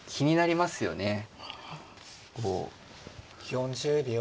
４０秒。